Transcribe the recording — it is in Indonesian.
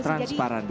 transparan gitu ya